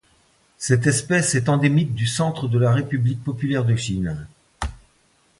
Cette espèce est endémique du Centre de la République populaire de Chine.